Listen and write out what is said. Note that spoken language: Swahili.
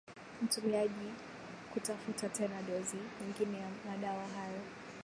mtumiaji kutafuta tena dozi nyingine ya madawa hayo